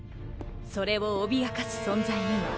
それを脅かす存在には。